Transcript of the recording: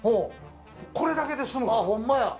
これだけで済むから。